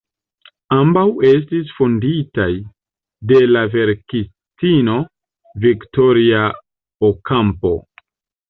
Ambaŭ estis fonditaj de la verkistino Victoria Ocampo.